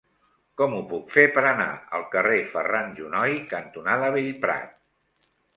Com ho puc fer per anar al carrer Ferran Junoy cantonada Bellprat?